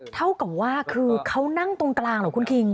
เท่ากับว่าคือเขานั่งตรงกลางเหรอคุณคิง